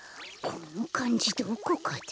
このかんじどこかで。